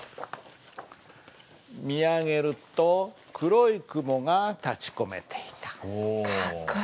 「見上げると黒い雲がたちこめていた」。